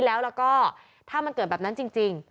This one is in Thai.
แล้วก็ถ้ามันเกิดแบบนั้นจริง